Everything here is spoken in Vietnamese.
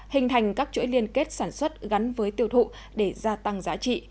hình thành các chuỗi liên kết sản xuất gắn với tiêu thụ để gia tăng giá trị